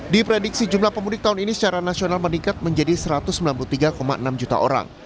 diprediksi jumlah pemudik tahun ini secara nasional meningkat menjadi satu ratus sembilan puluh tiga enam juta orang